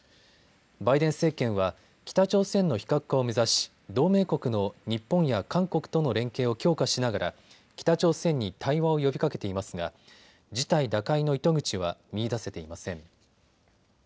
バイデン政権は北朝鮮の非核化を目指し、同盟国の日本や韓国との連携を強化しながら北朝鮮に対話を呼びかけていますが事態打開の糸口は見いだせていません。